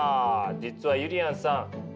実はゆりやんさん